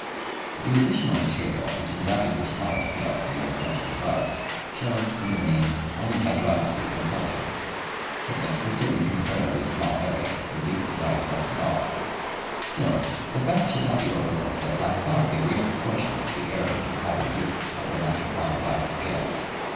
Hie Area not yet mapped. 113 The additional material which is adapted for smaller scales than those mentioned above shows, in the main, only hydrog raphy and culture. Except for certain comparatively small areas, relief is not expressed at all. Still, the fact should not be overlooked that by far the greater proportion of the areas of high relief have been maj)ped upon the larger scales.